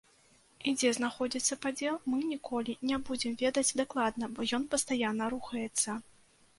І дзе знаходзіцца падзел, мы ніколі не будзем ведаць дакладна, бо ён пастаянна рухаецца.